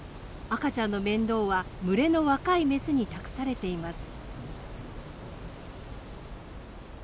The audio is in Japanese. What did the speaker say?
赤ちゃんの面倒は群れの若いメスに託されています。